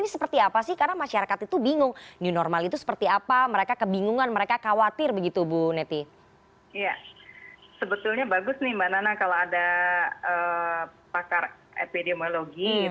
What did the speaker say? sebetulnya bagus nih mbak nana kalau ada pakar epidemiologi